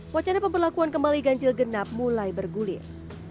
wacana pemberlakuan kembali ganjil genap mulai bergulir